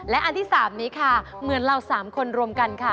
และอันที่๓นี้ค่ะเหมือนเรา๓คนรวมกันค่ะ